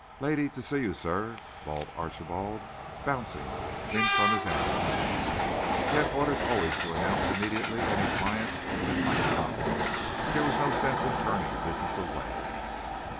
"Lady to see you, sir," bawled Archibald, bouncing in from his anteroom. He had orders to always announce immediately any client that might come. There was no sense in turning business away.